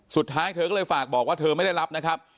เธอก็เลยฝากบอกว่าเธอไม่ได้รับนะครับ